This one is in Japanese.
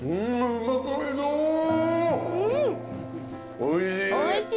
おいしい。